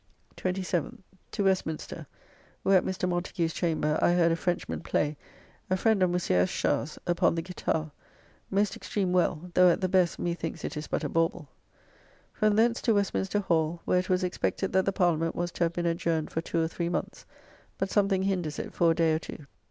27th. To Westminster, where at Mr. Montagu's chamber I heard a Frenchman play, a friend of Monsieur Eschar's, upon the guitar, most extreme well, though at the best methinks it is but a bawble. From thence to Westminster Hall, where it was expected that the Parliament was to have been adjourned for two or three months, but something hinders it for a day or two.